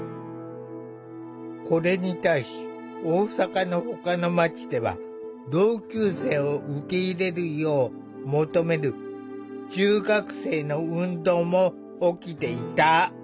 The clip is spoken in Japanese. これに対し大阪のほかの町では同級生を受け入れるよう求める中学生の運動も起きていた。